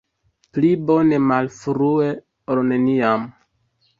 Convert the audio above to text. Pli bone malfrue, ol neniam.